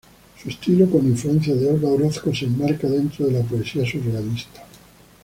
Su estilo, con influencias de Olga Orozco, se enmarca dentro de la poesía surrealista.